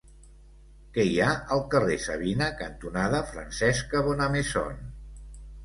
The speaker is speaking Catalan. Què hi ha al carrer Savina cantonada Francesca Bonnemaison?